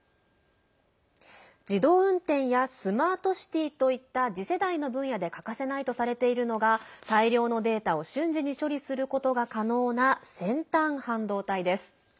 自動運転やスマートシティーといった次世代の分野で欠かせないとされているのが大量のデータを瞬時に処理することが可能な先端半導体です。